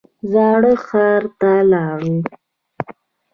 زاړه ښار ته لاړو.